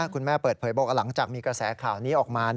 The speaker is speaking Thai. คุณแม่เปิดเผยบอกว่าหลังจากมีกระแสข่าวนี้ออกมา